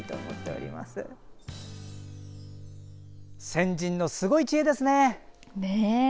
先人のすごい知恵ですね。